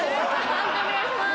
判定お願いします。